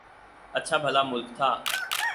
اچھا بھلا ملک تھا۔